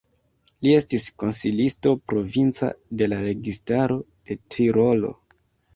Li estis konsilisto provinca de la registaro de Tirolo.